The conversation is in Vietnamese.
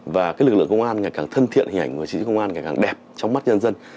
và lực lượng công an ngày càng thân thiện hình ảnh người chí trí công an ngày càng đẹp trong mắt nhân dân